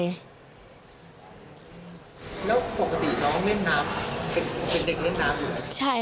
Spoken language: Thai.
แล้วปกติน้องเล่นน้ำเป็นเด็กเล่นน้ำอยู่ไหม